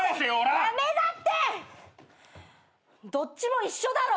どっちも一緒だろ！